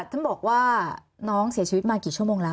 ท่านบอกว่าน้องเสียชีวิตมากี่ชั่วโมงแล้ว